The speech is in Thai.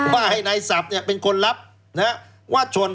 ว่าให้นายศัพท์เป็นคนรับว่าชน